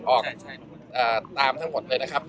ออกตามทั้งหมดเลยนะครับ